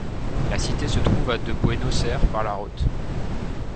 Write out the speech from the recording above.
La cité se trouve à de Buenos Aires par la route.